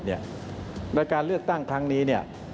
ในการเลือกตั้งครั้งนี้